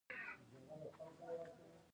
د بواسیر لپاره کوم څاڅکي وکاروم؟